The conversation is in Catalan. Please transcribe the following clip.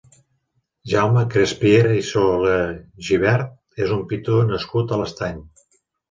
Jaume Crespiera i Solegibert és un pintor nascut a l'Estany.